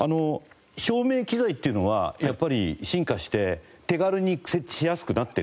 照明機材っていうのはやっぱり進化して手軽に設置しやすくなってるんですか？